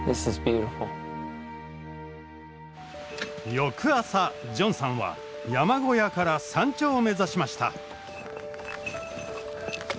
翌朝ジョンさんは山小屋から山頂を目指しました。